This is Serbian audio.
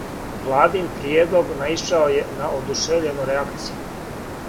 Владин приједлог наишао је на одушевљену реакцију.